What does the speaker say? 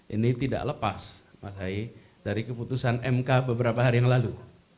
ini tidak lepas mas hai dari keputusan mk beberapa hari yang lalu